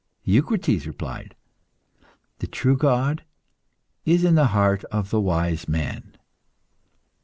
Eucrites replied "The true God is in the heart of the wise man."